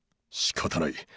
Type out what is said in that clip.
しかたない。